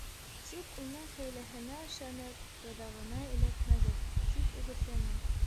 Тик уның хәйләһенә ышанып, тоҙағына эләкмәгеҙ, — тип өгөтләне.